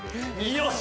よし！